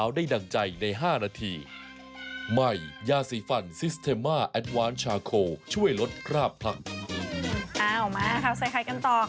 วันนี้หน้า๒๐ไฮโซรสแซ่บคุณแม่คงชอบมากเลย